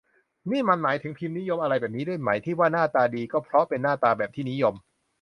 นี่มันหมายถึง "พิมพ์นิยม" อะไรแบบนี้ด้วยไหม ที่ว่า หน้าตา'ดี' ก็เพราะเป็นหน้าตา'แบบที่นิยม'